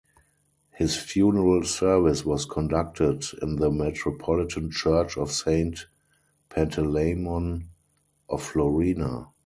His funeral service was conducted in the Metropolitan Church of Saint Panteleimon of Florina.